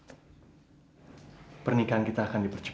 tapi nontalita itu disekap di rumahnya